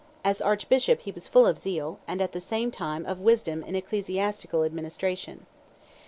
As archbishop he was full of zeal, and at the same time of wisdom in ecclesiastical administration.